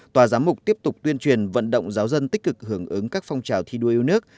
tòa giám mục tiếp tục tuyên truyền vận động giáo dân tích cực hưởng ứng các phong trào thi đua yêu nước